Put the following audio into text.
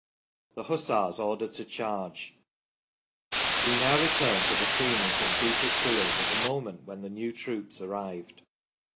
THE HUSSARS ORDERED TO CHARGE. We now return to the scene in St. Peter's fields at the moment when the new troops arrived.